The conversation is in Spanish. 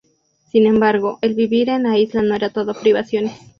Sin embargo, el vivir en la isla no era todo privaciones.